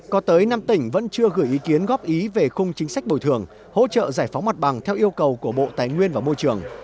có tới năm tỉnh vẫn chưa gửi ý kiến góp ý về khung chính sách bồi thường hỗ trợ giải phóng mặt bằng theo yêu cầu của bộ tài nguyên và môi trường